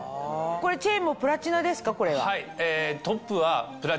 これチェーンもプラチナですか？